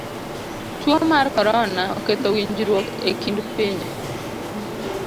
Tuo mar korona oketho winjruok e kind pinje.